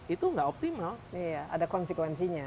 itu nggak optimal ada konsekuensinya